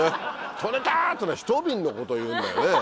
「採れた！」ってのはひと瓶のことを言うんだよねぇ。